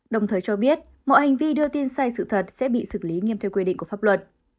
đồng thời cho biết mọi hành vi đưa tin sai sự thật sẽ bị xử lý nghiêm theo quy định của pháp luật